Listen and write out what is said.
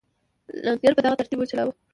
لنګر په دغه ترتیب وچلاوه.